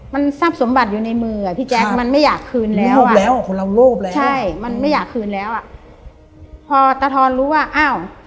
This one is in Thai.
มันทราบสมบัติอยู่ในมืออะพี่แจ๊คมันไม่อยากคืนแล้วอะ